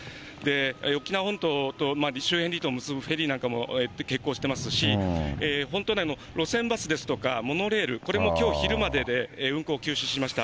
沖縄本島と周辺離島を結ぶフェリーなんかも欠航していますし、本島内の路線バスですとか、モノレール、これもきょう昼までで運行を休止しました。